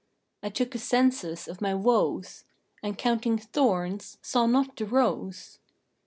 I took a census of my woes, And, counting thorns, saw not the rose.